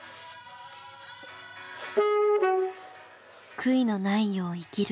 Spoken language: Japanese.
悔いのないよう生きる。